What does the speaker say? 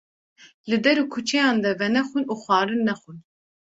Li der û kuçeyan de venexwin û xwarin nexwin